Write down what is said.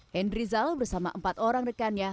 henry zal bersama empat orang rekannya